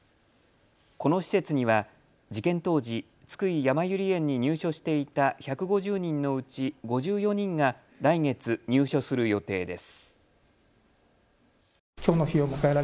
この施設には事件当時、津久井やまゆり園に入所していた１５０人のうち５４人が来月、入所する予定です。